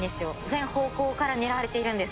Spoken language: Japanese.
全方向から狙われているんです